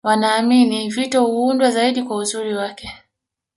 Wanaamini vito huundwa zaidi kwa uzuri wake